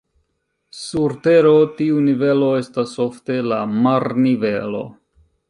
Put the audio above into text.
Sur Tero tiu nivelo estas ofte la marnivelo.